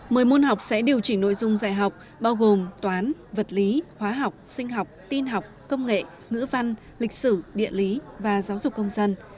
một mươi môn học sẽ điều chỉnh nội dung dạy học bao gồm toán vật lý hóa học sinh học tin học công nghệ ngữ văn lịch sử địa lý và giáo dục công dân